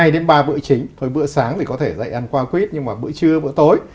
hai đến ba bữa chính thôi bữa sáng thì có thể dạy ăn qua quýt nhưng mà bữa trưa bữa tối